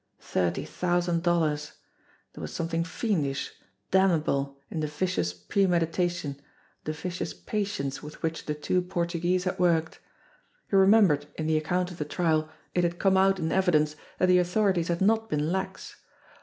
Thirty thousand dollars ! There was something fiendish, damnable, in the vicious premeditation, the vicious patience with which the two Portuguese had worked ! He remembered in the THE PIECES OF A PUZZLE 245 account of the trial it had come out in evidence that the authorities had not been lax.